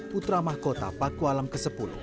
putra mahkota pakualam ke sepuluh